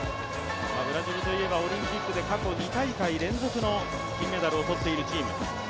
ブラジルといえばオリンピックで過去２大会連続の金メダルを取っているチーム。